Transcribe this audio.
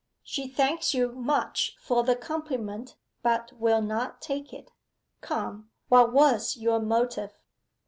'She thanks you much for the compliment, but will not take it. Come, what was your motive?